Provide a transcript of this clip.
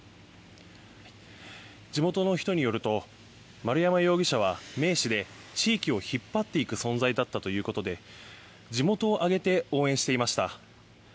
地元の人によると丸山容疑者は名士で、地域を引っ張っていく存在だったということで地元を挙げて応援していました。